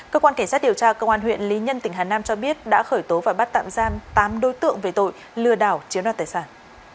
cơ quan cảnh sát điều tra công an huyện lý nhân tỉnh hà nam cho biết đã khởi tố và bắt tạm giam tám đối tượng về tội lừa đảo chiếm đoạt tài sản